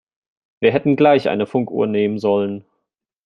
Wir hätten gleich eine Funkuhr nehmen sollen.